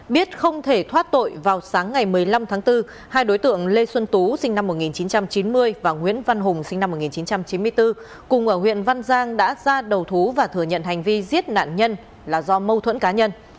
biết không thể thoát tội vào sáng ngày một mươi năm tháng bốn hai đối tượng lê xuân tú sinh năm một nghìn chín trăm chín mươi và nguyễn văn hùng sinh năm một nghìn chín trăm chín mươi bốn cùng ở huyện văn giang đã ra đầu thú và thừa nhận hành vi giết nạn nhân là do mâu thuẫn cá nhân